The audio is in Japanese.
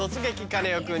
カネオくん」。